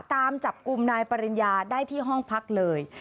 ตามจับกลุ่มนายปริญญาได้ที่ห้องพักเลย